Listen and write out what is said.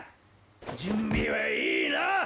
準備はいいなッ！